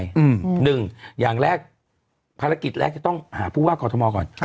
หนึ่งอย่างแรกภารกิจแรกจะต้องหาผู้ว่ากอทมก่อน